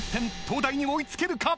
東大に追い付けるか⁉］